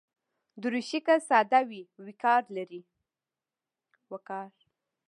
دریشي که ساده وي، وقار لري.